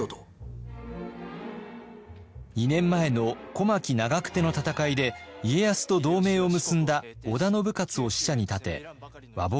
２年前の小牧・長久手の戦いで家康と同盟を結んだ織田信雄を使者に立て和睦を迫ってきたのです。